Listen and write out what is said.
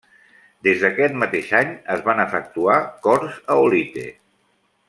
Des d'aquest mateix any es van efectuar corts a Olite.